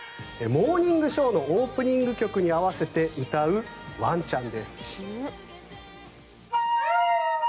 「モーニングショー」のオープニング曲「ＷａｋｅＭｅＵｐ」に合わせて歌うワンちゃん。